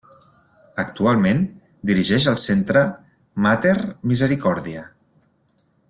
Actualment dirigeix el centre Mater Misericòrdia.